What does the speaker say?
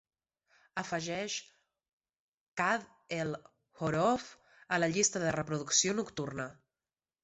afegeix Qad El Horoof a la llista de reproducció nocturna